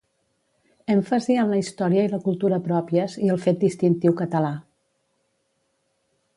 Èmfasi en la història i la cultura pròpies i al fet distintiu català